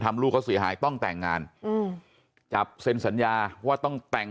ลูกเขาเสียหายต้องแต่งงานอืมจับเซ็นสัญญาว่าต้องแต่ง